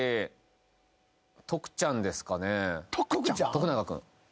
徳永君。